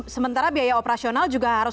sementara biaya operasional juga harus